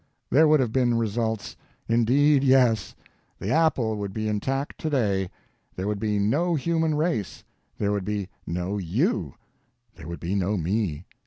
There would have been results! Indeed, yes. The apple would be intact today; there would be no human race; there would be no YOU; there would be no me.